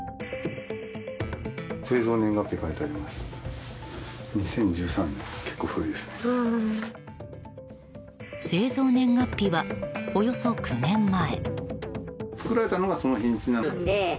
製造年月日は、およそ９年前。